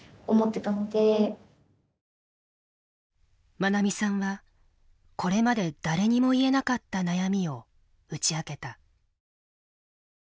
まなみさんはこれまで誰にも言えなかった悩みを打ち明けた。